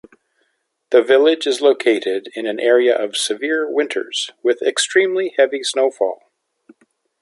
The village is located in an area of severe winters with extremely heavy snowfall.